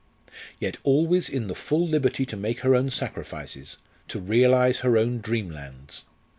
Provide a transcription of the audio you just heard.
Yet always in the full liberty to make her own sacrifices, to realise her own dreamlands!